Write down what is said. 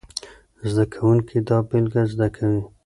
زده کوونکي دا بېلګې زده کوي.